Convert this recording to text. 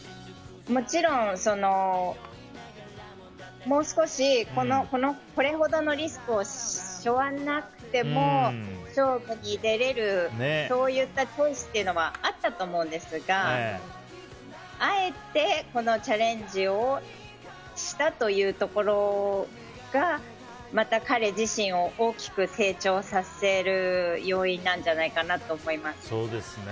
もちろん、もう少しこれほどのリスクを背負わなくても勝負に出れるそういったチョイスもあったと思うんですがあえてこのチャレンジをしたというところがまた、彼自身を大きく成長させる要因なんじゃないかなと思います。